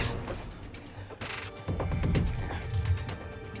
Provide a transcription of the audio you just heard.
saya akan laporin anda ke polisi